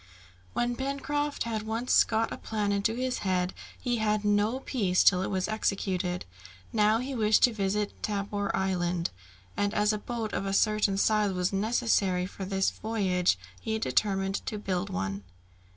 When Pencroft had once got a plan into his head, he had no peace till it was executed. Now he wished to visit Tabor Island, and as a boat of a certain size was necessary for this voyage, he determined to build one.